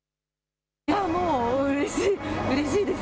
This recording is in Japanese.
もううれしいです。